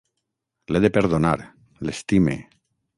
L'he de perdonar, l'estime!